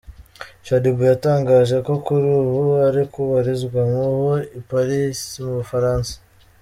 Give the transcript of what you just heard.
Shaddyboo yatangaje ko kuri ubu ari kubarizwa mubu I Paris mu bufaransa .